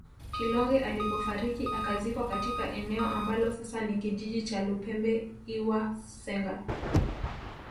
Kilonge alipofariki akazikwa katika eneo ambalo sasa ni kijiji cha Lupembe lwa Senga